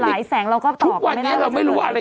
แล้วหลายแสงเราก็ตอกไปไม่ได้แล้วจะจะขึ้น